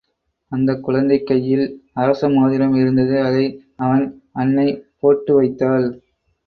அந்தக் குழந்தை கையில் அரச மோதிரம் இருந்தது அதை அவன் அன்னை போட்டு வைத்தாள்.